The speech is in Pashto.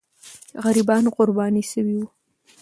غریبان قرباني سوي وو.